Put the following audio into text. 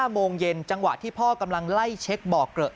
โมงเย็นจังหวะที่พ่อกำลังไล่เช็คบ่อเกลอะ